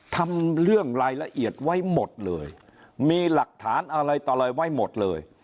ทำเรื่องรายละเอียดไว้หมดเลยมีหลักฐานอะไรต่ออะไรไว้หมดเลย